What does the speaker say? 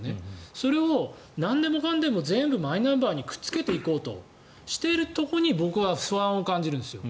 それをなんでもかんでも全部マイナンバーにくっつけていこうとしているところに僕は不安を感じるんですよ。